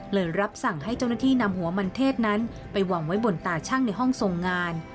รับสั่งให้เจ้าหน้าที่นำหัวมันเทศนั้นไปวางไว้บนตาชั่งในห้องทรงงาน